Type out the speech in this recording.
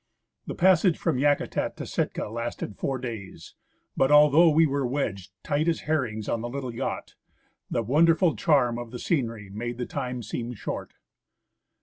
The passage from Yakutat to Sitka lasted four days, but although we were wedged tight as herrings on the little yacht, the wonderful charm of the scenery made the time seem short.